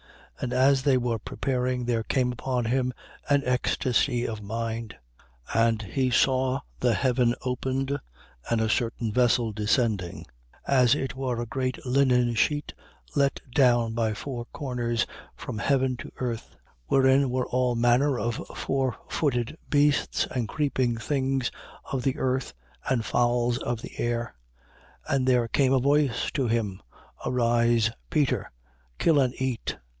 And as they were preparing, there came upon him an ecstasy of mind. 10:11. And he saw the heaven opened and a certain vessel descending, as it were a great linen sheet let down by the four corners from heaven to the earth: 10:12. Wherein were all manner of four footed beasts and creeping things of the earth and fowls of the air. 10:13. And there came a voice to him: Arise, Peter. Kill and eat.